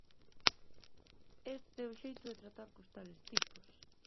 Este é o xeito de tratar cos tales tipos.